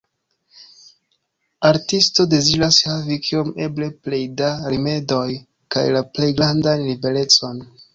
Artisto deziras havi kiom eble plej da rimedoj kaj la plej grandan liberecon.